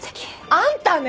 あんたね！